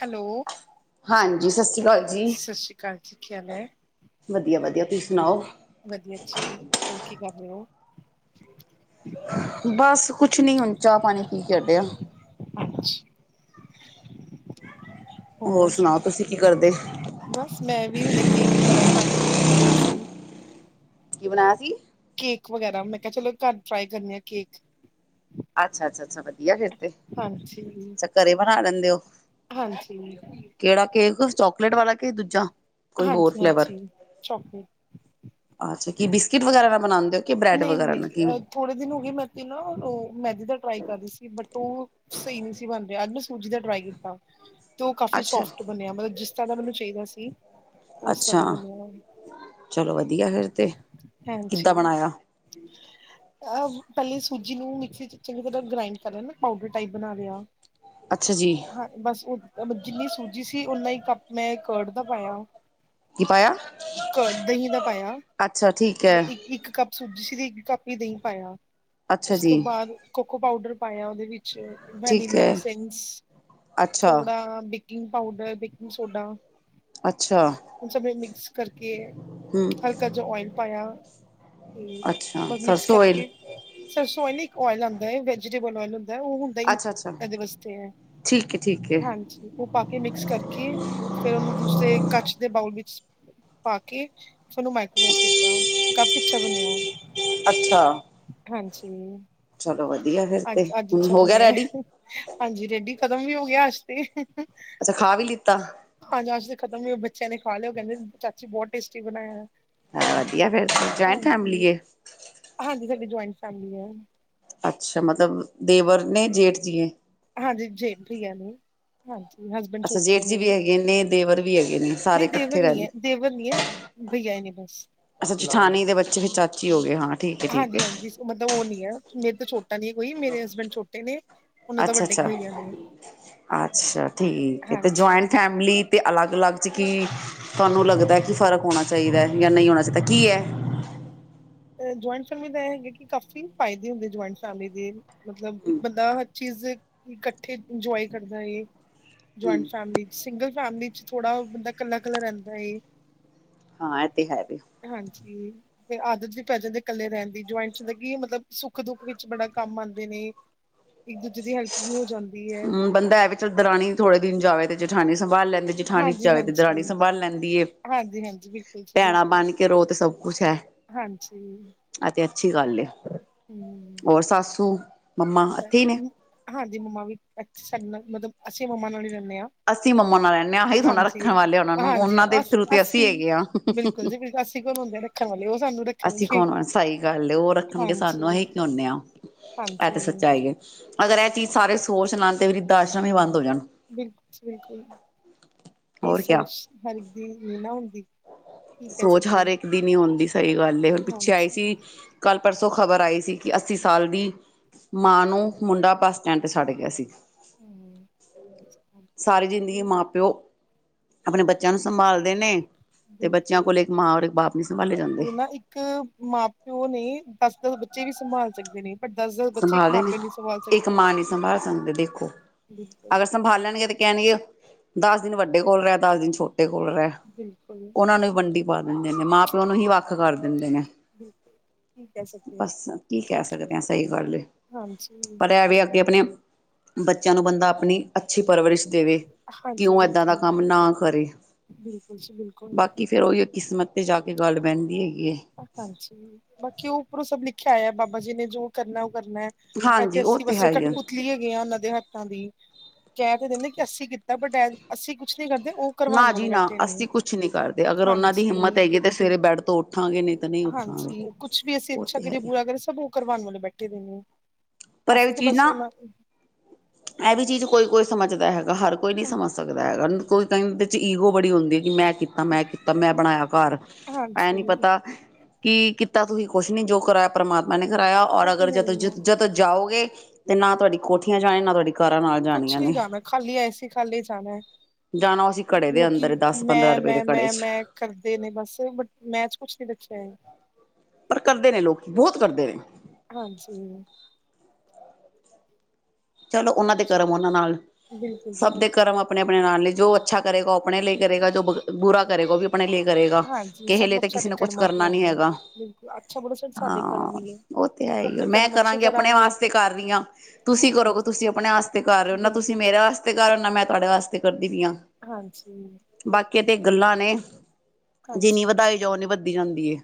Hello ਹਾਂਜੀ ਸਤਿ ਸ਼੍ਰੀ ਅਕਾਲ ਸਸ ਸ੍ਰੀ ਕਾਲ ਜੀ, ਕੀ ਹਾਲ ਹੈ। ਵਧੀਆ-ਵਧੀਆ ਤੁਸੀਂ ਸੁਨਾਓ। ਵਧੀਆ ਜੀ, ਹੋਰ ਕੀ ਕਰ ਰਹੇ ਹੋ? ਬਸ ਕੁਝ ਨੀ ਹੁਣ ਚਾਹ ਪਾਣੀ ਪੀ ਕੇ ਹੱਟੇ ਹਾਂ। ਅੱਛਾ ਹੋਰ ਸੁਣਾਓ ਤੁਸੀਂ ਕੀ ਕਰਦੇ ਬਸ ਮੈਂ ਵੀ ਹੁਣੇ ਕੇਕ ਵਗੈਰਾ ਬਨਾ [unintelligible] ਕੀ ਬਣਾਇਆ ਸੀ? ਕੇਕ ਵਗੈਰਾ ਮੈਂ ਕਿਹਾ ਚਲੋ ਘਰ ਟਰਾਈ ਕਰਨੇ ਆ ਕੇਕ। ਅੱਛਾ-ਅੱਛਾ ਵਧੀਆ ਫੇਰ। ਹਾਂਜੀ ਰਹਿੰਦੇ ਹੋ ਹਾਂਜੀ ਕਿਹੜਾ ਕੇਕ ਚੋਕਲੇਟ ਵਾਲਾ ਕਿ ਦੂਜਾ ਕੋਈ ਹੋਰ ਹਾਂਜੀ ਫਲੈਵਰ ਹਾਂਜੀ ਚੋਕਲੇਟ ਆ ਸਕੇ ਬਿਸਕਿਟ ਵਗੈਰਾ ਦਾ ਬ ਨਹੀਂ ਨਹੀਂ ਥੋੜੇ ਦਿਨ ਹੋ ਗਏ ਮੈਂ ਤੀ ਨਾ ਮੈ ਟਰਾਈ ਕਰ ਦੀ ਸੀ ਬਟ ਉਹ ਸਹੀ ਨਹੀਂ ਸੀ ਬਣ ਰਿਹਾ ਅੱਜ ਮੈਂ ਸੂਜੀ ਦਾ ਟਰਾਈ ਕੀਤਾ ਤੂੰ ਕਾਫੀ ਅੱਛਾ ਸੋਫਟ ਬਣਿਆ ਮਤਲਬ ਜਿਸ ਤਰ੍ਹਾਂ ਦਾ ਮੈਨੂੰ ਚਾਹੀਦਾ ਸੀ ਉਸ ਤਰ੍ਹਾਂ ਅੱਛਾ ਦਾ ਬਣਿਆ ਚਲੋ ਵਧੀਆ ਫਿਰ ਤੇ ਕਿਦਾਂ ਬਣਾਇਆ ਆ ਟਲੀਂ ਸੂਜੀ ਨੂੰ ਮਿਕਸੀ ਚ ਚੰਗੀ ਤਰਾਂ ਗਰਿੰਡ ਕਰ ਲਿਆ ਬੈਟਰ ਟਾਈਪ ਬਣਾ ਲਿਆ ਅੱਛਾ ਜੀ ਹਾਂ ਬਸ ਜਿੰਨੀ ਸੂਜੀ ਸੀ ਉਨਾ ਈ ਕੱਪ ਮੈਂ ਕਰਡ ਦਾ ਪਾਇਆ ਕੀ ਪਾਇਆ ਦਹੀ ਦਾ ਪਾਇਆ ਅੱਛਾ ਠੀਕ ਹੈ ਇੱਕ [unintelligible] ਜੀ ਦਹੀ ਪਾਇਆ ਅੱਛਾ ਉਸ ਜੀ ਤੋਂ ਬਾਅਦ ਕੋਕੋ ਪਾਊਡਰ ਪਾਇਆ ਓਦੇ ਵਿਚ ਠੀਕ ਵਨੀਲਾ ਹੈ ਐਸੰਸ ਅੱਛਾ ਥੋੜਾ ਬ ਬੇਕਿੰਗ ਪਾਊਡਰ ਬੇਕਿੰਗ ਸੋਡਾ ਅੱਛਾ ਹ ਸਮੇ ਮਿਕਸ ਕਰਕੇ ਹਮ ਹਲਕਾ ਜ ਓਇਲ ਪਾਇਆ। ਤੇ ਅੱਛਾ ਬਸ ਮਿਕਸ ਸਰਸੋਂ ਓਇਲ ਕਰਕੇ ਸਰਸੋਂ ਨ ਇੱਕ ਓਇਲ ਆਉਂਦਾ ਵੈਜੀਟੇਬਲਲ। ਉਹ ਹੁੰਦਾ ਹੀ ਅੱਛਾ ਅੱਛਾ ਕਦੇ ਵਾਸਤੇ ਐ। ਠੀਕ ਹੈ ਠੀਕ ਹੈ ਹਾਂਜੀ ਉਹ ਪਾ ਕੇ ਮਿਕਸ ਕਰਕੇ ਫੇਰ ਉਹਨੂੰ ਦੂਸਰੇ ਕਚ ਦੇ ਬਾਊਲ ਵਿੱਚ। ਪਾ ਕੇ ਫਿਰ ਨੂੰ ਮਾਈਕੋਵੇਵ ਕੀਤਾ ਕਾਫੀ ਅੱਛਾ ਬਣਿਆ ਵ। ਅੱਛਾ। ਹਾਂਜੀ। ਚਲੋ ਵਧੀਆ ਫਿਰ ਤੇ ਅੱਜ ਅੱਜ ਹੁਣ ਅੱਛਾ ਹੋ ਗਿਆ ਬਣਿਆ ਰੈਡੀ ਹਾਂਜੀ ਰੇਡੀ ਖਤਮ ਵੀ ਹੋ ਗਿਆ ਅੱਜ ਤੇ ਅੱਛਾ ਖਾ ਵੀ ਲਿੱਤਾ। ਹਾਂਜੀ ਅੱਜ ਤੇ ਖਤਮ ਹੋ ਬੱਚਿਆਂ ਨੇ ਖਾ ਲਿਓ ਕਹਿੰਦੇ ਚਾਚੀ ਬਹੁਤ ਟੇਸਟੀ ਬਣਾਇਆ। ਵਧੀਆ ਫੇਰ ਜਆਇੰਟ ਫੈਮਲੀ। ਜਇੰਟ ਫੈਮਲੀ ਏ। ਅੱਛਾ ਮਤਲਬ ਦੇਵਰ ਨੇ ਜੇਠ ਜੀਏ। ਹਾਂਜੀ ਜੇਠ ਭੀ ਹੈ ਜੀ ਹਾਂਜੀ। ਹਸਬੈਂਡ ਅੱਛਾ ਛੋਟੇ ਨੇ ਜੇਠ ਜੀ ਮੇਰੇ ਵੀ ਹੈਗੇ ਨੇ ਦੇਵਰ ਵੀ ਹੈਗੇ ਨੇ ਸਾਰੇ ਨਹੀਂ ਦੇਵਰ ਇਕੱਠੇ ਨੀ ਹੈ ਰਹਿੰਦੇ ਦੇਵਰ ਨੀ ਹੈ ਭਈਆ ਨੇ। ਬਸ ਅੱਛਾ ਜਠਾਨੀ ਦੇ ਬੱਚੇ ਫਿਰ ਚਾਚੀ ਹੋ ਗਏ ਹਾਂ ਠੀਕ ਐ ਠੀਕ ਹਾਂਜੀ ਐ। ਹਾਂਜੀ ਮਤਲਬ ਉਹ ਨੀ ਹੈ ਮੇਰੇ ਤਾਂ ਛੋਟਾ ਨ ਕੋਈ ਮੇਰੇ ਹਸਬੈਂਡ ਛੋਟੇ ਨੇ। ਉਹਨਾਂ ਦਾ ਅੱਛਾ ਵੱਡੇ ਅੱਛਾ ਬਈਆ ਨੇ [unintelligible] ਅੱਛਾ ਠੀਕ ਹੈ ਤੇ ਹਾਂਜੀ ਜੁਇੰਟ ਫੈਮਲੀ ਅਤੇ ਅਲੱਗ ਅਲੱਗ 'ਚ ਕੀ ਤੁਹਾਨੂੰ ਲੱਗਦਾ ਕਿ ਫ਼ਰਕ ਹੋਣਾ ਚਾਹੀਦਾ ਹੈ ਜਾਂ ਨਹੀਂ ਹੋਣਾ ਚਾਹੀਦਾ ਕੀ ਐ। [unintelligible] ਜੁਆਇੰਟ ਫੈਮਿਲੀ ਦਾ ਇਹ ਹੈਗਾ ਕਿ ਕਾਫ਼ੀ ਫਾਇਦੇ ਹੁੰਦੇ ਜੁਆਇੰਟ ਫੈਮਿਲੀ ਦੇ ਮਤਲਬ ਇੱਕ ਬੰਦਾ ਚੀਜ਼ ਇਕੱਠੇ ਇੰਜੋਏ ਕਰਦਾ ਹੈ ਜਆਇੰਟ ਫੈਮਲੀ ਚ ਸਿੰਗਲ ਫੈਮਲੀ ਚ ਥੋੜਾ ਬੰਦਾ ਕੱਲਾ ਇਕੱਲਾ ਰਹਿੰਦਾ। ਹਾਂ ਇਹ ਤੇ ਹੈ ਵੀ। ਹਾਂਜੀ ਤੇ ਅੱਜ ਦੀ ਪੈ ਜਾਂਦੇ ਇਕੱਲੇ ਰਹਿਣ ਦੀ ਜੁਆਇੰਟ ਹੁੰਦਾ ਕੀ ਮਤਲਬ ਸੁੱਖ ਦੁੱਖ ਵਿੱਚ ਬੜਾ ਕੰਮ ਆਉਂਦੇ ਨੇ। ਇੱਕ ਦੂਜੇ ਦੀ ਹੈਲਪ ਵੀ ਹੋ ਜਾਂਦੀ ਹੈ ਹਮ ਬੰਦਾ ਇਹ ਵੀ ਚੱਲ ਦਰਾਣੀ ਥੋੜੇ ਦਿਨ ਜਾਵੇ ਤੇ ਜੇਠਾਣੀ ਸੰਭਾਲ ਲੈਂਦੇ ਜਠਾਣੀ ਚ ਹਾਂਜੀ ਆਵੇ ਤੇ ਦਰਾਣੀ ਹਾਂਜੀ ਸੰਭਾਲ ਲੈਂਦੀ ਏ। ਹਾਂਜੀ ਹਾਂਜੀ ਬਿਲਕੁਲ ਜੀ ਭੈਣਾਂ ਬਿਲਕੁਲ ਬਨ ਕੇ ਰੋ ਤੇ ਸਭ ਕੁਛ ਐ। ਹਾਂਜੀ। ਤੇ ਅੱਛੀ ਗੱਲ ਐ ਹੂੰ, ਹੋਰ ਸਾਸੂ ਮੰਮਾ ਇੱਥੇ ਹੀ ਨੇ? ਹਾਂਜੀ ਮੰਮਾ ਵੀ ਨਾਲ ਮਤਲਬ ਅੱਛੇ ਮੰਮਾ ਨਾਲ ਰ ਅਸੀਂ ਮੰਮਾ ਨਾਲ ਰਹਿੰਦੇ ਹਾਂ ਅਸੀਂ ਥੋੜਾ ਹਾਂਜੀ ਰੱਖਣ ਵਾਲੇ ਉਹਨਾਂ ਨੂੰ ਹਾਂਜੀ ਉਹਨਾਂ ਅ ਦੇ ਥਰੂ ਤੇ ਅਸੀਂ ਅਸੀ ਹੈਗੇ ਹਾਂ। ਬਿਲਕੁਲ ਜੀ। ਅਸੀਂ ਕੋਣ ਹੁੰਦੇ ਹਾਂ ਰੱਖਣ ਵਾਲੇ ਉਹ ਸਾਨੂੰ ਅਸੀਂ ਰੱਖਣਗੇ, ਕੌਣ ਸਹੀ ਗੱਲ ਏ, ਉਹ ਰੱਖਣਗੇ ਹਾਂਜੀ। ਸਾਨੂੰ ਅਸੀਂ ਕੀ ਹੁੰਦੇ ਹਾਂ ਇਹ ਹਾਂਜੀ। ਤੇ ਸੱਚਾਈ ਏ। ਅਗਰ ਇਹ ਚੀਜ਼ ਸਾਰੇ ਸੋਚ ਲੈਣ ਤੇ ਵਿਰਧ ਆਸ਼ਰਮ ਹੀ ਬੰਦ ਹੋ ਜਾਣ। ਬਿਲਕੁਲ ਜੀ ਬਿਲਕੁਲ ਇਹ ਹੋਰ ਕਿਆ। ਸੋਚ ਹਰ ਇੱਕ ਦੀ ਨੀ ਨਾ ਹੁੰਦੀ। ਕੀ ਕਹਿ ਸੋਚ ਹਰ ਸਕਦੇ ਇੱਕ ਦੀ ਨੀ ਆਉਂਦੀ ਸਹੀ ਗੱਲ ਹੁਣ ਪਿੱਛੇ ਆਈ ਸੀ ਹਾਂਜੀ ਕੱਲ। ਪਰਸੋਂ ਖ਼ਬਰ ਆਈ ਸੀ ਕਿ ਅੱਸੀ ਸਾਲ ਦੀ ਮਾਂ ਨੂੰ ਮੁੰਡਾ ਬੱਸ ਸਟੈਂਡ ਤੇ ਛੱਡ ਗਿਆ ਸੀ ਹੂੰ। ਸਾਰੀ ਜ਼ਿੰਦਗੀ ਮਾਂ ਪਿਓ ਆਪਣੇ ਬੱਚਿਆਂ ਨੂੰ ਸੰਭਾਲਦੇ ਨੇ ਤੇ ਬੱਚਿਆਂ ਬਿਲਕੁਲ ਕੋਲ ਇੱਕ ਮਾਂ ਔਰ ਇੱਕ ਬਾਪ ਨੀ ਸੰਭਾਲੇ ਜਾਂਦੇ ਉਹ ਨਾ ਇੱਕ ਮਾਂ ਪਿਓ ਨੇ ਦਸ-ਦਸ ਬੱਚੇ ਵੀ ਸੰਭਾਲ ਸਕਦੇ ਨੇ ਪਰ ਦਸ ਦਸ ਬੱਚੇ ਇੱਕ ਸੰਭਾਲਦੇ ਮਾਂ ਨੇ ਪਿਓ ਨਹੀਂ ਸੰਭਾਲ ਇੱਕ ਸਕਦੇ ਮਾਂ ਨੀ ਸੰਭਾਲ ਸਕਦੇ ਦੇਖੋ ਬਿਲਕੁਲ ਅਗਰ ਸੰਭਾਲਣਗੇ ਤੇ ਕਹਿਣ ਗੇ ਦਸ ਦਿਨ ਵੱਡੇ ਕੋਲ ਰਹਿ ਦਸ ਦਿਨ ਛੋਟੇ ਕੋਲ ਰਹਿ ਬਿਲਕੁਲ ਬਿਲਕੁਲ। ਉਹਨਾਂ ਨੂੰ ਵੀ ਵੰਡੀ ਪਾ ਦਿੰਦੇ ਨੇ ਮਾਂ-ਪਿਓ ਨੂੰ ਹੀ ਵੱਖ ਕਰ ਦਿੰਦੇ ਨੇ। ਕੀ ਕਹਿ ਸਕਦੇ ਹਾਂ। ਬਸ ਕੀ ਕਹਿ ਸਕਦੇ ਹਾ। ਕਰ ਲਏ ਹਾਂਜੀ ਪਰ ਐ ਵੀ ਆ ਕਿ ਆਪਣੇ ਬੱਚਿਆਂ ਨੂੰ ਬੰਦਾ ਆਪਣੀ ਅੱਛੀ ਪਰਵਰਿਸ਼ ਦੇਵੇ ਹਾਂਜੀ ਕਿਉਂ ਏਦਾਂ ਦਾ ਬਿਲਕੁਲ ਕੰਮ ਨਾ ਕਰੇ ਬਿਲਕੁਲ ਜੀ ਬਿਲਕੁਲ ਬਾਕੀ ਫੇਰ ਉਹੀ ਕਿਸਮਤ ਤੇ ਜਾ ਕੇ ਗੱਲ ਬਹਿੰਦੀ ਹੈਗੀ। ਹੈ ਹਾਂਜੀ, ਬਾਕੀ ਉਹ ਉਪਰੋਂ ਸਭ ਲਿਖਿਆ ਆਇਆ ਬਾਬਾ ਜੀ ਨੇ ਜੋ ਕਰਨਾ। ਕਰਨਾ, ਹਾਂਜੀ ਇਥੇ ਉਹ ਅਸੀਂ ਤੇ ਬਸ ਹੈ ਹੀ ਆ ਕਠਪੁਤਲੀ ਹੈਗੇ ਆ, ਉਹਨਾਂ ਦੇ ਹੱਥਾਂ ਦੀ। ਕਹਿ ਤੇ ਦਿੰਦੇ ਕਿ ਅੱਸੀ ਕੀਤਾ ਬਟ, ਅਸੀ ਕੁਛ ਨੀ ਕਰਦੇ ਉਹ ਕਰਵਾਣ ਨਾ ਜੀ ਵਾਲੇ ਨਾ ਬੈਠੇ ਨੇ, ਅਸੀਂ ਕੁਛ ਨੀ ਕਰਦੇ ਅਗਰ ਉਹਨਾਂ ਦੀ ਹਾਂਜੀ। ਹਿੰਮਤ ਹੈਗੀ ਤੇ ਸਵੇਰੇ ਬੈਡ ਤੋਂ ਉੱਠਾਂਗੇ ਨਹੀਂ ਤਾਂ ਨਹੀਂ ਉੱਠਾਂਗੇ ਹਾਂਜੀ, ਕੁਛ ਵੀ ਅਸੀਂ ਉਹ ਅੱਛਾ ਤੇ ਹੈ ਕਰੀਏ, ਹੀ ਆ ਬੁਰਾ ਕਰੀਏ, ਸਭ ਉਹ ਕਰਵਾਣ ਵਾਲੇ ਬੈਠੇ ਦੇ ਨੇ। ਪਰ ਇਹ ਵੀ ਅਸੀਂ ਤੇ ਚੀਜ਼ ਬਸ ਨਾ, ਉਹਨਾਂ ਇਹ ਵੀ ਚੀਜ਼, ਕੋਈ-ਕੋਈ ਸਮਝਦਾ ਹੈਗਾ। ਹਰ ਕੋਈ ਨੀ ਸਮਝ ਸਕਦਾ ਹੈਗਾ, ਕੋਈ ਟਾਈਮ ਵਿੱਚ ਈਗੋ ਬੜੀ ਹੁੰਦੀ ਕਿ ਮੈਂ ਕੀਤਾ, ਮੈਂ ਕੀਤਾ, ਮੈਂ ਬਣਾਇਆ ਘਾਰ। ਐ ਨੀ ਹਾਂਜੀ ਪਤਾ ਕਿ ਕੀਤਾ ਤੁਸੀਂ ਕੁਛ ਨੀ ਜੋ ਕਰਾਇਆ, ਪ੍ਰਮਾਤਮਾ ਨੇ ਕਰਾਇਆ, ਉਹ ਔਰ ਤੇ ਅਗਰ ਹੈ ਹੀ ਹੈ ਜਦ-ਜਦ ਜਾਓਗੇ ਤੇ ਨਾ ਤੁਹਾਡੀ ਕੋਠੀਆਂ ਜਾਏ, ਨਾ ਤੁਹਾਡੀ ਕਾਰਾਂ ਨਾਲ ਕੁਛ ਜਾਣੀਆਂ ਨਹੀਂ ਨੇ ਜਾਣਾ, ਖਾਲੀ ਆਏ ਸੀ, ਖਾਲੀ ਜਾਣਾ ਐ। ਜਾਣਾ ਅਸੀਂ ਘੜੇ ਦੇ ਲੋਕੀ ਅੰਦਰ ਦਸ ਪੰਦਰਾਂ ਰੁਪਏ ਦੇ ਘੜੇ ਚ ਮੈਂ-ਮੈਂ-ਮੈਂ-ਮੈਂ ਕਰਦੇ ਨੇ ਬਸ, ਬਟ ਮੈਂ ਚ ਕੁਛ ਨੀ ਰੱਖਿਆ। [unintelligible] ਪਰ ਕਰਦੇ ਨੇ ਲੋਕ, ਬਹੁਤ ਕਰਦੇ ਨੇ। ਹਾਂਜੀ। ਚਲੋ ਉਹਨਾਂ ਦੇ ਕਰਮ ਉਹਨਾਂ ਨਾਲ, ਬਿਲਕੁਲ ਜੀ ਸਭ ਦੇ ਬਿਲਕੁਲ ਕਰਮ ਆਪਣੇ-ਆਪਣੇ ਨਾਲ ਨੇ। ਜੋ ਅੱਛਾ ਕਰੇਗਾ ਓ ਆਪਣੇ ਲਈ ਕਰੇਗਾ, ਜੋ ਬ-ਬੁਰਾ ਕਰੇਗਾ, ਉਹ ਵੀ ਆਪਣੇ ਲਈ ਕਰੇਗਾ। ਹਾਂਜੀ ਕਿਸੇ ਲਈ ਸਭ ਤਾਂ ਕਿਸੇ ਸਾਡੇ ਨੇ ਕੁਛ ਕਰਮਾਂ ਤੇ ਕਰਨਾ ਨੀ ਆਉਂਦਾ ਹੈ ਹੈਗਾ। ਬਿਲਕੁਲ ਅੱਛਾ ਬੜਾ ਸ ਸਾਡੇ ਹਾਂ ਕਰਮ ਹੀ ਹੈ ਉਹ ਤੇ ਹੈ ਅਸੀਂ ਈ ਐ। ਆਪਣੇ ਮੈਂ ਕਰਮ ਅੱਛੇ ਕਰਾਂਗੀ ਆਪਣੇ ਕਰਾਂਗੇ ਵਾਸਤੇ ਕਰ ਰਹੀ ਆ, ਤੁਸੀਂ ਕਰੋਗੇ ਤਾਂ ਹਾਂਜੀ ਤੁਸੀਂ ਆਪਣੇ ਵਾਸਤੇ ਕਰ ਰਹੇ ਓ, ਨਾ ਤੁਸੀਂ ਬਿਲਕੁਲ ਮੇਰੇ ਵਾਸਤੇ ਕਰ ਰੇ, ਨਾ ਮੈਂ ਤੁਹਾਡੇ ਵਾਸਤੇ ਕਰ ਦੀਆ, ਹਾਂਜੀ ਬਾਕੀ ਤੇ ਬਿਲਕੁਲ ਗੱਲਾਂ ਨੇ ਜਿੰਨੀ ਹਾਂਜੀ ਵਧਾਏ ਜਾਓ ਓਹਨੀ ਵਧੀ ਜਾਂਦੀ ਏ।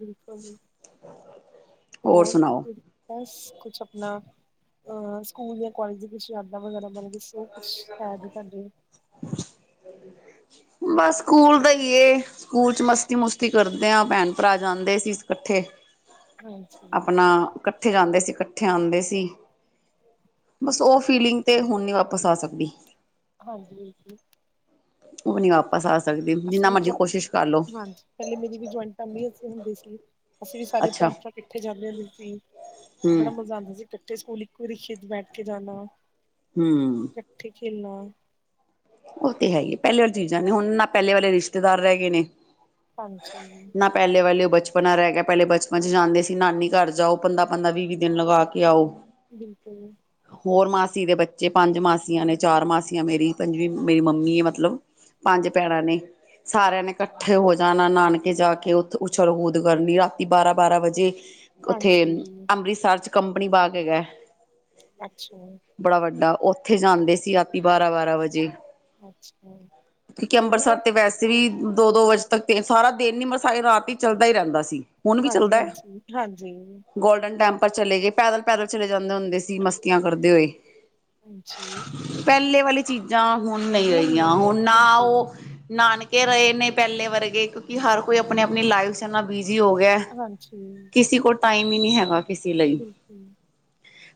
ਬਿਲਕੁਲ। ਹੋਰ ਕੁ, ਬਸ ਕੁਛ ਆਪਣਾ ਆਹ, ਸਕੂਲ ਜਾਂ ਕਾਲਜ ਦੀ ਕੁੱਛ ਯਾਦਾਂ ਵਗੈਰਾ। ਮਲਵਿਸ਼ ਉਹ ਕੁਛ ਹੈ ਜੀ ਤੁਹਾਡੇ? ਬਸ ਸਕੂਲ ਦਾ ਈ ਏ, ਸਕੂਲ ਚ ਮਸਤੀ-ਮੁਸਤੀ ਕਰਦੇ ਆ, ਭੈਣ ਭਰਾ ਜਾਂਦੇ ਸੀ ਇਕੱਠੇ ਠੇ, ਹਾਂਜੀ ਆਪਣਾ ਕੱਠੇ ਜਾਂਦੇ ਸੀ, ਕੱਠੇ ਇਕੱਠੇ ਆਦੇ ਸੀ, ਬਸ ਉਹ ਫੀਲਿੰਗ ਤੇ ਹੁਣ ਨੀ ਵਾਪ ਹਾਂਜੀ ਜੀ। ਉਹ ਨੀ ਆਪ ਅਸੀਂ ਵੀ ਜੌ, ਹਾਂਜੀ ਪਹਿਲੇ ਮੇਰੀ ਵੀ ਜੁਆਇੰਟ ਫੈਮਲੀ ਹੁੰਦੇ ਸੀ। ਅਸੀਂ ਵੀ ਸਾਰੇ ਅੱਛਾ ਭੈਣ-ਭਰਾ ਇਕੱਠੇ ਜਾਂਦੇ ਹੁੰਦੇ ਸੀ, ਹਮ ਬੜਾ ਮਜ਼ਾ ਆਂਦਾ ਸੀ। ਇਕੱਠੇ ਸਕੂਲ ਇੱਕੋ ਰਿਕਸ਼ੇ ਤੇ ਬੈਠ ਕੇ ਜਾਣਾ। ਹੂੰ ਕਿਨਾ ਉਹ ਤੇ ਹੈ ਈ ਐ। ਪਹਿਲੇ ਵਾਲੀ ਚੀਜ਼ਾਂ ਨੀ, ਹੁਣ ਨਾ ਪਹਿਲੇ ਵਾਲੇ ਰਿਸ਼ਤੇਦਾਰ ਰਹਿ ਗਏ ਨੇ। ਹਾਂਜੀ ਨਾ ਪਹਿਲੇ ਵਾਲੇ ਓ ਬ ਬਚਪਨਾ ਰਹਿ ਗਿਆ, ਪਹਿਲੇ ਬਚਪਨ ਚ ਜਾਂਦੇ ਸੀ, ਨਾਨੀ ਘਰ ਜਾਓ ਪੰਦਰਾਂ-ਪੰਦਰਾਂ, ਵੀਹ-ਵੀਹ ਦਿਨ ਲਗਾ ਕੇ ਆਓ। ਬਿਲਕੁਲ। ਹੋਰ ਮਾਸੀ ਦੇ ਬੱਚੇ, ਪੰਜ ਮਾਸੀਆਂ ਨੇ, ਚਾਰ ਮਾਸੀਆਂ ਮੇਰੀ। ਪੰਜਵੀਂ ਮੇਰੀ ਮੰਮੀ ਐ ਮਤਲਬ। ਪੰਜ ਭੈਣਾਂ ਨੇ। ਸਾਰਿਆਂ ਨੇ ਇਕੱਠੇ ਹੋ ਜਾਣਾ ਨਾਨਕੇ ਜਾ ਕੇ ਉੱਥ-ਊਛਲ ਕੂਦ ਕਰਨੀ ਰਾਤੀ ਬਾਰਾਂ-ਬਾਰਾਂ ਵਜੇ ਉੱਥੇ ਹਾਂਜੀ ਅਮ ਅੰਮ੍ਰਿਤਸਰ ਚ ਕੰਪਨੀ ਬਾਗ ਹੈਗਾ। ਅੱਛਾ। ਬੜਾ ਵੱਡਾ ਉੱਥੇ ਜਾਂਦੇ ਸੀ, ਰਾਤੀ ਬਾਰਾਂ-ਬਾਰਾਂ ਵਜੇ। ਅੱਛਾ ਕਿਉਂਕਿ ਉਹ ਨਾ ਅੰਬਰਸਰ ਉਹ ਤੇ ਵੈਸੇ ਵੀ ਦੋ-ਦੋ ਵਜੇ ਤੱਕ ਤੇ ਸਾਰਾ ਦਿਨ ਨੀ ਬਸ ਸਾਰੀ ਰਾਤ ਈ ਚੱਲਦਾ ਈ ਰਹਿੰਦਾ ਸੀ, ਹੁਣ ਵੀ ਹਾਂਜੀ ਚੱਲਦਾ ਐ। ਹਾਂਜੀ ਹਾਂਜੀ ਗੋਲਡਨ ਟੈਂਪਲ ਚਲੇ ਗਏ, ਪੈਦਲ-ਪੈਦਲ ਚਲੇ ਜਾਂਦੇ ਹੁੰਦੇ ਸੀ, ਮਸਤੀਆਂ ਕਰਦੇ ਹੋਏ। ਹਾਂਜੀ ਪਹਿਲੇ ਵਾਲੀ ਚੀਜ਼ਾਂ ਹੁਣ ਨਹੀਂ ਰਹੀਆਂ, ਨਹੀਂ ਹੈ ਹੁਣ ਨਾ ਬਿਲਕੁਲ ਉਹ ਨਾਨ ਕੇ ਰਹੇ ਨੇ ਪਹਿਲੇ ਵਰਗੇ, ਕਿਉਂਕਿ ਹਰ ਕੋਈ ਆਪਣੀ-ਆਪਣੀ ਲਾਈਫ ਚ ਏਨਾ ਬੀ ਜੀ ਹੋ ਗਿਆ ਹਾਂਜੀ ਕਿਸੀ ਕੋਲ ਟਾਈਮ ਈ ਨਈ ਹੈਗਾ ਕਿਸੇ ਲਈ। ਬਿਲਕੁਲ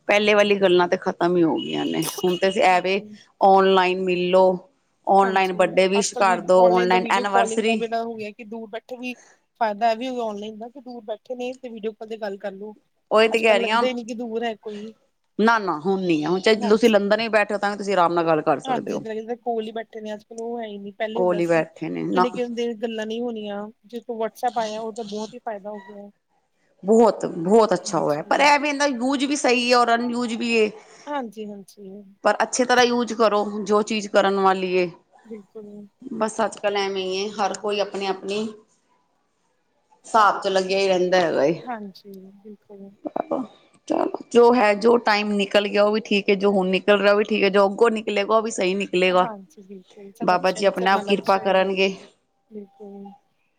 ਪਹਿਲੇ ਵਾਲੀ ਗੱਲਾਂ ਤੇ ਖਤਮ ਈ ਹੋ ਗਈਆਂ ਨੇ ਹੁਣ ਤੇ ਐਸੀ ਐੱਪ ਐ ਬਿਲਕੁਲ ਓਨਲਾਈਨ ਮਿਲ ਲੋ ਔਨਲਾਈਨ ਹਾਂਜੀ ਬਰਡੇ ਅੱਜ ਵਿਸ਼ ਕੱਲ ਵੀ ਕਰ ਦੋ ਓਨਲਾਈਨ ਦਾ ਔਨਲਾਈਨ ਵੀਡੀਓ ਕਾਲਿੰਗ ਐਨੀਵਰਸਰੀ ਦਾ ਹੋ ਗਿਆ ਕਿ ਦੂਰ ਬੈਠੇ ਵੀ ਫਾਇਦਾ ਐਹ ਵੀ ਔਨਲਾਈਨ ਦਾ ਕਿ ਦੂਰ ਬੈਠੇ ਨੇ ਤੇ ਵੀਡੀਓ ਕਾਲ ਤੇ ਗੱਲ ਕਰ ਲੋ। ਉਹੀ ਤੇ ਅੱਜ ਕਹਿ ਕੱਲ ਰਹੀ ਹਾਂ ਲੱਗਦਾ ਹੀ ਨੀ ਕਿ ਦੂਰ ਹੈ ਕੋਈ ਨਾ-ਨਾ ਹੁਣ ਨੀ ਆ ਹੁਣ ਜ ਤੁਸੀਂ ਹਾਂਜੀ ਲੰਦਨ ਬੈਠੇ ਹੋ ਤਾਂ ਤੁਸੀਂ ਆਰਾਮ ਨਾਲ ਗੱਲ ਕਰ ਸਕਦੇ ਹਾਂਜੀ ਹੋ। ਇੱਧਰ ਕਿੱਧਾਂ ਕੋਲ ਹੀ ਬੈਠੇ ਨੇ ਅੱਜ-ਕੱਲ ਉਹ ਹੈ ਹੀ ਨੀ ਪਹਿਲੇ ਕੋਲ ਹੁੰਦਾ ਹੀ ਸੀ ਬੈਠੇ ਨੇ ਨਾ ਕਿੰਨੇ-ਕਿੰਨੀ ਦੇਰ ਗੱਲਾਂ ਨਹੀਂ ਹੁ ਯਾ ਜਿਸ ਤ ਵਟਸਐਪ ਆਇਆ ਉਦਾ ਬਹੁਤ ਈ ਫਾਇਦਾ ਹੋ ਗਿਆ ਬਹੁਤ ਬਹੁਤ ਅੱਛਾ ਹੋਆ ਪਰ ਹਾਂਜੀ ਐਹ ਵੈ ਨਾ ਯੂਜ ਵੀ ਸਹੀ ਐ ਔਰ ਅਨਯੂਜ ਵੀ ਐ। ਹਾਂਜੀ ਹਾਂਜੀ ਪਰ ਅੱਛੇ ਤਰ੍ਹਾਂ ਯੂਜ ਕਰੋ ਜੋ ਚੀਜ਼ ਕਰਨ ਵਾਲੀ ਏ ਬਿਲਕੁਲ [unintelligible] ਹਰ ਕੋਈ ਆਪਣੇ ਆਪਣੀ ਅ ਸਾਬ ਚ ਲੱਗਿਆ ਈ ਰਹਿੰਦਾ ਹੈਗਾ ਹਾਂਜੀ ਬਿਲਕੁਲ ਆ ਚਲੋ ਜੋ ਹੈ ਜੋ ਟਾਈਮ ਨਿਕਲ ਗਿਆ ਉਹ ਵੀ ਠੀਕ ਐ। ਜੋ ਹੁਣ ਨਿਕਲ ਰਿਹਾ ਵੀ ਠੀਕ ਐ। ਜੋ ਅੱਗੋਂ ਨਿਕਲੇਗਾ ਉਹ ਵੀ ਸਹੀ ਨਿਕਲੇਗਾ ਹਾਂਜੀ ਬਿਲਕੁਲ ਸਭ ਬਾਬਾ ਅੱਛਾ ਜੀ ਈ, ਆਪਣੇ ਸਬ ਆਪ ਨਾਲ ਕਿਰਪਾ ਅੱਛਾ ਈ ਐ ਕਰਨਗੇ ਬਿਲਕੁਲ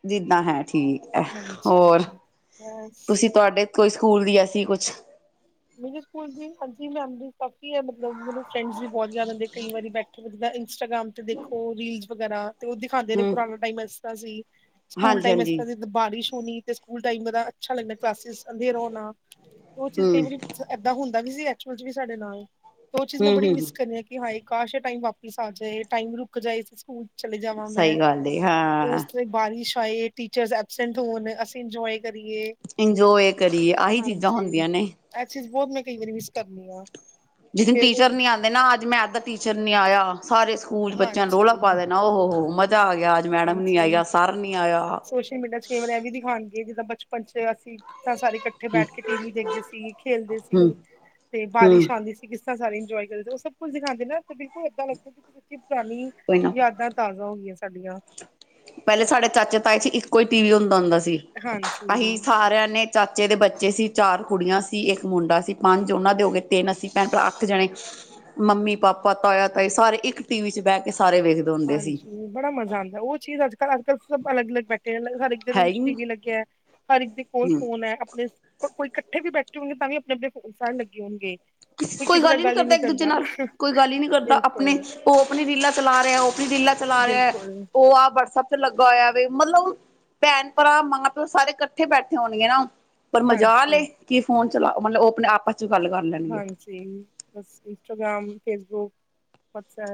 ਜਿੱਦਾਂ ਹੈ ਠੀਕ ਐ ਹਾਂਜੀ ਹੋਰ ਬਸ ਤੁਸੀਂ ਤੁਹਾਡੇ ਕੋਈ ਸਕੂਲ ਦੀ ਐਸੀ ਕੁਛ ਮੇਰੇ ਸਕੂਲ ਦੀ ਹਾਂਜੀ ਮੈਮਰੀ ਕਾਫੀ ਐ ਮਤਲਬ ਮੈਨੂੰ ਫਰੈਂਡਸ ਵੀ ਬਹੁਤ ਯਾਦ ਆਦੇ ਕਈ ਵਾਰੀ ਬੈਠੇ ਜਿਦਾ ਇੰਸਟਾਗ੍ਰਾਮ ਤੇ ਦੇਖੋ ਰੀਲਜ਼ ਵਗੈਰਾ ਤੇ ਉਹ ਦਿਖਾਉਂਦੇ ਨੇ ਹੂੰ ਪੁਰਾਣਾ ਟਾਈਮ ਇਸ ਤਾ ਸੀ, ਸਕੂਲ ਹਾਂਜੀ ਟਾਈਮ ਇਸ ਹਾਂਜੀ ਤਰਾ ਸੀ ਬਾਰਿਸ਼ ਤੇ ਸਕੂਲ ਟਾਈਮ ਅੱਛਾ ਦਾ ਲੱਗਣਾ ਕਲਾਸਿਸ ਅੰਦੇ ਰੋਣਾ ਤੇ ਉਹ ਚੀਜ਼ ਕਈ ਹੂੰ ਵਾਰੀ ਏਦਾਂ ਹੁੰਦਾ ਵੀ ਸੀ ਐਕਚੁਲ ਚ ਵੀ ਸਾਡੇ ਨਾਲ ਤੇ ਉਹ ਚੀਜ਼ ਮੈ ਹੂੰ ਬੜੀ ਹੂੰ ਮਿਸ ਹੂੰ ਕਰਨੀ ਆ ਕਿ ਹਾਏ ਕਾਸ਼ ਏਹ ਟਾਈਮ ਵਾਪਿਸ ਆ ਜਾਏ ਟਾਈਮ ਰੁਕ ਜਾਏ ਅਸੀ ਸਕੂਲ ਚਲੇ ਜਾਵਾਂ ਮੈਂ ਸਹੀ ਗੱਲ ਏ ਹਾਂ ਉਸ ਤਰਾ ਬਾਰਿਸ਼ ਆਏ, ਟੀਚਰ ਐਬਸੈਂਟ ਹੋਣ ਅਸੀਂ ਇੰਜੋਏ ਕਰੀਏ ਇੰਜੋਏ ਕਰੀਏ ਆਹੀ ਚੀਜ਼ਾਂ ਹਾਂਜੀ ਹੁੰਦੀਆਂ ਨੇ ਇਹ ਚੀਜ਼ ਬਹੁਤ ਮੈਂ ਕਈ ਵਾਰੀ ਮਿਸ ਕਰਨੀ ਆ ਜਿਸ ਦਿਨ ਫੇਰ ਉਹ ਟੀਚਰ ਨੀ ਦਿਖਾ ਆਦੇ ਨਾ, ਅੱਜ ਮੈਥ ਦਾ ਟੀਚਰ ਨੀ ਆਇਆ ਸਾਰੇ ਸਕੂਲ ਚ ਬੱਚਿਆਂ ਹਾਂਜੀ ਰੌਲਾ ਪਾ ਦੇਣਾ ਓ ਹੋ-ਹੋ ਮਜ਼ਾ ਆ ਗਿਆ ਅੱਜ ਮੈਡਮ ਨੀ ਹਾਂਜੀ ਆਈ ਆ, ਸਰ ਨੀ ਆਇਆ ਸੋਸ਼ਲ ਮੀਡੀਆ ਚ ਕਈ ਵਾਰ ਵੀ ਦਿਖਾਉਣਗੇ ਇਹ ਜਿੱਦਾਂ ਬਚਪਨ ਚ ਅਸੀਂ ਤਾਂ ਸਾਰੇ ਇਕੱਠੇ ਬੈਠ ਕੇ ਟੀਵੀ ਦੇਖਦੇ ਸੀ, ਖੇਲਦੇ ਹੂੰ ਸੀ ਤੇ ਹੂੰ ਬਾਰਿਸ਼ ਆਂਦੀ ਸੀ ਕੀ ਸ ਤਰਾ ਸਾਰੇ ਇੰਜੋਏ ਕਰਦੇ ਉਹ ਸਭ ਕੁਛ ਦਿਖਾਦੇ ਨਾ ਬਿਲਕੁਲ ਏਦਾ ਲਗਦਾ [unintelligible] ਕੋਈ [inaudible] ਨਾ ਯਾਦਾਂ ਤਾਜ਼ਾ ਹੋ ਗਈਆਂ ਸਾਡੀਆਂ। ਪਹਿਲੇ ਸਾਡੇ ਚਾਚੇ ਤਾਏ ਸੀ, ਇੱਕੋ ਹੀ ਟੀਵੀ ਹੁੰਦਾ-ਹੁੰਦਾ ਸੀ ਹਾਂਜੀ ਅਸੀਂ ਸਾਰਿਆਂ ਨੇ। ਚਾਚੇ ਦੇ ਬੱਚੇ ਸੀ, ਚਾਰ ਕੁੜੀਆਂ ਸੀ, ਇੱਕ ਮੁੰਡਾ ਸੀ, ਪੰਜ ਉਹਨਾਂ ਦੇ ਹੋ ਗਏ ਤਿੰਨ ਅਸੀਂ ਭੈਣ ਭਰਾ ਅੱਠ ਜਣੇ ਮੰਮੀ, ਪਾਪਾ, ਤਾਇਆ, ਤਾਯੀ ਸਾਰੇ ਇੱਕ ਟੀਵੀ ਚ ਬਹਿ ਕੇ ਸਾਰੇ ਵੇਖਦੇ ਹੁੰਦੇ ਸੀ ਹਾਂਜੀ, ਬੜਾ ਮਜ਼ਾ ਆਉਂਦਾ ਉਹ ਚੀਜ਼ ਅੱਜ ਅੱਜਕਲ੍ਹ ਸਭ ਅਲੱਗ-ਅਲੱਗ ਬੈਠੇ ਹੈ, ਹਰ ਇਕ ਦੇ ਹੈ ਰੂਮ ਹੀ ਚ ਟੀਵੀ ਹਮ ਲੱਗਿਆ ਹੈ। ਹਰ ਇੱਕ ਦੇ ਕੋਲ ਫੋਨ ਹੈ। ਆਪਣੇ ਕੋਈ ਇਕੱਠੇ ਵੀ ਬੈਠੇ ਹੋਣਗੇ ਤਾਂ ਵੀ ਆਪਣੇ-ਆਪਣੇ ਫੋਨ [inaudible] ਲੱਗੇ ਹੋਣਗੇ। ਕੋਈ ਗੱਲ ਹੀ ਨੀ ਕਰਦਾ ਇੱਕ ਦੂਜੇ ਨਾਲ ਕੋਈ ਗੱਲ ਹੀ ਨੀ ਕਰਦਾ ਬਿਲਕੁਲ ਆਪਣੇ, ਉਹ ਆਪਣੀ ਰੀਲਾ ਚਲਾ ਰਿਹਾ ਉਹ ਰੀਲਾ ਚਲਾ ਰਿਹਾ ਹੈ ਬਿਲਕੁਲ ਉਹ ਆਪ ਵਟਸਐਪ ਲੱਗਾ ਹੋਇਆ ਵੇ ਮਤਲਬ ਭੈਣ-ਭਰਾ ਮਾਂ-ਪਿਓ ਸਾਰੇ ਇਕੱਠੇ ਬੈਠੇ ਹੋਣਗੇ ਨਾ। ਪਰ ਮਜਲ ਹੈ ਹਾਂਜੀ, ਕਿ ਇਹ ਫੋਨ ਚਲਾ, ਮਤਲਬ ਉਹ ਆਪਣੇ ਆਪਸ ਚ ਗੱਲ ਕਰ ਲੈਣਗੇ। ਸੇਮ, ਬਸ ਇੰਸਟਾਗ੍ਰਾਮ ਫੇਸਬੁਕ।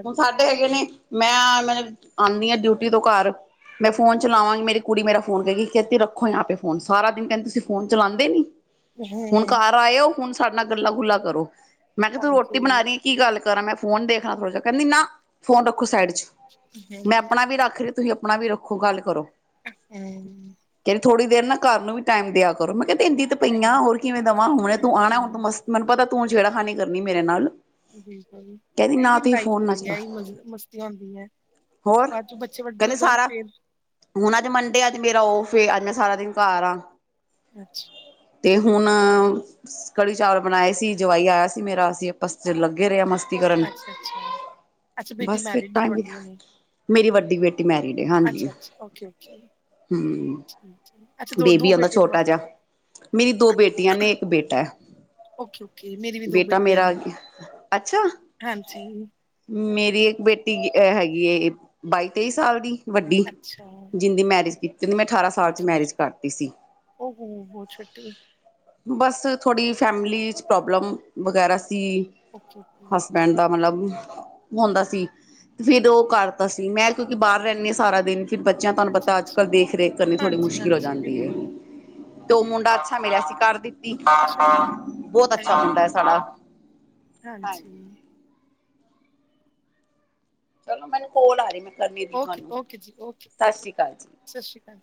ਹੁਣ ਸਾਡੇ ਹੈਗੇ ਨੇ ਮੈਂ, ਮੈਂ ਆਉਂਦੀ ਹਾ ਡਿਊਟੀ ਤੋਂ ਘਰ ਮੈਂ ਫੋਨ ਚਲਾਵਾਂਗੀ ਮੇਰੀ ਕੁੜੀ ਮੇਰਾ ਫੋਨ ਕਹੈਗੀ ਕਹਤੀ ਰੱਖੋ ਯਹਾ ਪੇ ਫੋਨ ਸਾਰਾ ਦਿਨ ਕੇਂਦੀ ਤੁਸੀ ਫੋਨ ਚਲਾਉਂਦੇ ਨੀ? ਹੁਣ ਹੂੰ ਘਰ ਆਏ ਹੋ ਹੁਣ ਸਾਡੇ ਨਾਲ ਗੱਲਾਂ ਗੁੱਲਾ ਕਰੋ ਮੈਂ ਕਿਹਾ ਤੂੰ ਰੋਟੀ ਬਣਾ ਹਾਂਜੀ। ਰਹੀ ਕੀ ਗੱਲ [inaudible] ਮੈਂ ਫੋਨ ਦੇਖਲਾ ਥੋੜ੍ਹਾ ਜਿਹਾ, ਕਹਿੰਦੀ ਨਾ! ਫੋਨ ਰੱਖੋ ਸਾਈਡ ਚ ਮੈਂ ਹਾਂਜੀ ਆਪਣਾ ਵੀ ਰੱਖ ਰਹੀ, ਤੁਸੀਂ ਆਪਣਾ ਵੀ ਰੱਖੋ ਗੱਲ ਕਰੋ ਹੂੰ ਕਹਿੰਦੀ ਥੋੜ੍ਹੀ ਦੇਰ ਨਾ ਘਰ ਨੂੰ ਵੀ ਟਾਈਮ ਦਿਆ ਕਰੋ ਮੈਂ ਕਿਹਾ ਕੇਹਂਦੀ ਤੇ ਹੈ ਪਈਆਂ ਹੀ ਹੋਰ ਕਿਵੇਂ ਦਵਾਂ ਹੁਣੇ ਤੂੰ ਆਉਣਾ ਹੁਣ ਤੂੰ ਹੂੰ ਮਸਤ ਮੈਨੂੰ ਪਤਾ ਤੂੰ ਹੁਣ ਛੇੜਾ ਖਾਨੀ ਕਰਨੀ ਮੇਰੇ ਨਾਲ ਬਿਲਕੁੱਲ ਕਹਿੰਦੀ ਇਹ ਨਾ ਹੈ ਤੁਸੀਂ ਲੜਾਈ। ਫੋਨ ਨਾ ਹੁੰਦੀ ਹੈ, ਇਹੀ ਚਲਾਓ ਮਸਤੀਆਂ ਹੁੰਦੀ ਹੈ ਹੋਰ ਬਾਅਦ ਚ ਬੱਚੇ ਵੱਡੇ ਹੋ ਕਹਿੰਦੀ ਜਾਣ ਸਾਰਾ ਫੇਰ? ਹੁਣ ਅੱਜ ਮੰਡੇ ਹੈ ਅੱਜ ਮੇਰਾ ਉਫੇ ਹੈ ਅੱਜ ਮੈਂ ਸਾਰਾ ਦਿਨ ਘਰ ਆ। ਅੱਛਾ ਤੇ ਹੁਣ, ਕੜੀ ਚਾਵਲ ਬਣਾਏ ਸੀ ਜਵਾਈ ਆਇਆ ਸੀ ਮੇਰਾ ਅਸੀਂ ਆਪਸ ਚ ਲੱਗੇ ਰਹੇ ਆ ਮਸਤ। [unintelligible] ਅੱਛਾ, ਅੱਛਾ, ਅੱਛਾ ਬੇਟੀ ਮੈਰਿਡ ਤੁਹਾਡੀ ਹੋਣ। ਮੇਰੀ ਵੱਡੀ ਬੇਟੀ ਅੱਛਾ-ਅੱਛਾ ਓਕੇ-ਓਕੇ। ਹਮ, ਬੇਬੀ ਹੈ ਨਾ ਬੇਟੇ ਛੋਟਾ ਜਿਹਾ। ਤੁਹਾਡੇ ਮੇਰੀ ਦੋ ਬੇਟੀਆਂ ਨੇ ਇੱਕ ਬੇਟਾ ਹੈ। ਓਕੇ-ਓਕੇ ਮੇਰੀ ਵੀ ਦੋ ਬੇਟਾ ਬੇਟੀਆਂ ਮੇਰਾ ਨੇ, ਅੱਛਾ ਹਾਂਜੀ। ਮੇਰੀ ਇੱਕ ਬੇਟੀ ਹੈਗੀ ਹੈ। ਬਾਈ ਤੇਈ ਸਾਲ ਦੀ ਵੱਡੀ, ਅੱਛਾ ਜਿਦੀ ਮੈਰਿਜ ਜਿਦੀ ਮੈਂ ਅਠਾਰਾਂ ਸਾਲ ਚ ਓਕੇ ਮੈਰਿਜ ਕਰਤੀ ਸੀ। ਉਹ ਹੋ ਬਹੁਤ ਛੋਟੇ ਬਸ, ਥੋੜ੍ਹੀ ਫੈਮਿਲੀ ਚ ਪ੍ਰੋਬਲਮ ਵਗੈਰਾ ਸੀ ਓਕੇ, ਓਕੇ ਹਸਬੈਂਡ ਦਾ ਮਤਲੱਬ ਹੁੰਦਾ ਸੀ ਤੇ ਫਿਰ ਉਹ ਕਰਤਾ ਸੀ ਮੈਂ ਕਿਉਂਕਿ ਬਾਹਰ ਰਹਿੰਦੀ ਸਾਰਾ ਦਿਨ ਫਿਰ ਬੱਚਿਆਂ ਤੁਹਾਨੂੰ ਪਤਾ, ਅੱਛਾ-ਅੱਛਾ, ਅੱਜ-ਕੱਲ੍ਹ ਦੇਖ-ਰੇਖ ਕਰਨੀ ਥੋੜ੍ਹੀ ਮੁਸ਼ਕਿਲ ਹੋ ਹਾਂਜੀ-ਹਾਂਜੀ ਜਾਂਦੀ ਹੈ। ਬਿਲਕੁਲ, ਤੇ ਉਹ ਮੁੰਡਾ ਅੱਛਾ ਮਿਲਿਆ ਸੀ ਕਰ ਦਿੱਤੀ। ਚਲੋ ਬਹੁਤ ਅਰੇ, ਅੱਛਾ ਮੁੰਡਾ ਹੈ ਸਾਡਾ। ਹਾਂਜੀ ਚਲੋ ਮੈਨੂੰ ਕੋਲ ਆ ਰਹੀ [inaudible] ਕਰਨੀ ਵੀ ਤੁਹਾਨੂੰ, ਓਕੇ-ਓਕੇ ਜੀ ਓਕੇ ਸਤਿ ਬਾਏ, ਸ੍ਰੀ ਅਕਾਲ ਜੀ। ਸਤਿ ਸ਼੍ਰੀ ਅਕਾਲ ਜੀ।